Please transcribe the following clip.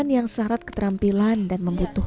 yang dapat disamakan olehotto ouch